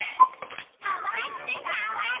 「さわってさわって」